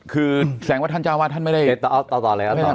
คือแสงว่าท่านจ้าวาท่านไม่ได้เอ้าต่อต่อเลยต่อเลย